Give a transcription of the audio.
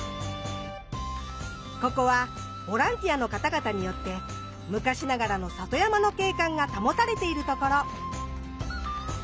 ここはボランティアの方々によって昔ながらの里山の景観が保たれている所。